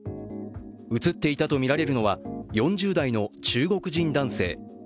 映っていたとみられるのは４０代の中国人男性。